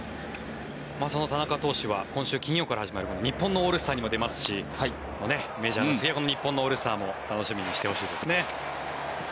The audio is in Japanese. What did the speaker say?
その田中投手は今週金曜から始まる日本のオールスターにも出ますしメジャーの次日本のオールスターも楽しみにしてほしいですね。